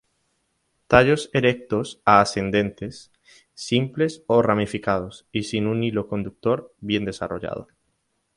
Tallos erectos a ascendentes, simples o ramificados y sin un hilo conductor bien desarrollado.